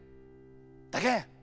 だけん